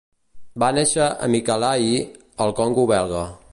Va néixer a Mikalayi, al Congo belga.